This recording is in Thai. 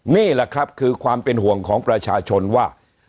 นี่แหละครับคือความเป็นห่วงของประชาชนว่า